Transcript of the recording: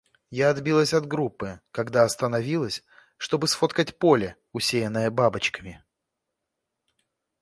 Я отбилась от группы, когда остановилась, чтобы сфоткать поле, усеянное бабочками.